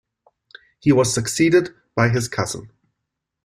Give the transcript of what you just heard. He was succeeded by his cousin.